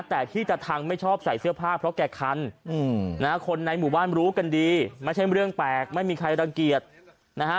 แต่ที่จะทำไม่ชอบใส่เสื้อผ้าเพราะแกคันนะฮะคนในหมู่บ้านรู้กันดีไม่ใช่เรื่องแปลกไม่มีใครรังเกียจนะฮะ